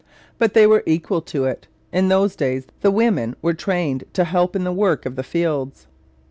But they were equal to it. In those days the women were trained to help in the work of the fields.